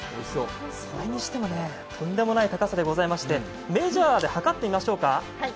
それにしてもとんでもない高さでございまして、メジャーで測ってみましょうか。